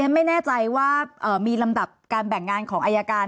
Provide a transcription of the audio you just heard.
ไม่แน่ใจว่ามีลำดับการแบ่งงานของอายการ